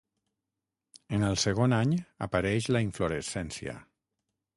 En el segon any apareix la inflorescència.